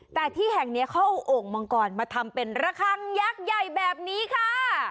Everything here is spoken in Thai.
แต่ที่แห่งนี้เขาเอาโอ่งมังกรมาทำเป็นระคังยักษ์ใหญ่แบบนี้ค่ะ